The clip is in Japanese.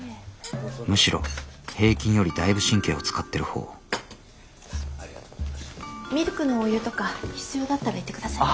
むしろ平均よりだいぶ神経を使ってるほうミルクのお湯とか必要だったら言って下さいね。